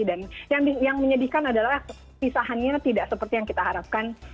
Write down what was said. dan yang menyedihkan adalah pisahannya tidak seperti yang kita harapkan